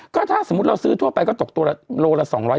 ก็ถ้าสมมุติเราซื้อทั่วไปก็ตกตัวโลละ๒๐๐